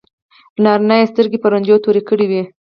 نارینه یې سترګې په رنجو تورې کړې وي.